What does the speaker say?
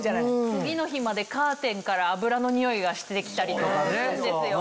次の日までカーテンから脂のにおいがして来たりとかするんですよ。